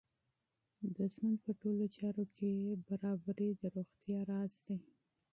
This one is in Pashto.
د ژوند په ټولو چارو کې میانه روی د روغتیا راز دی.